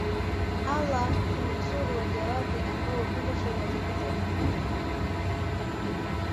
Allah hunusuru waja wake ambao utunza sheria zake na Dini yake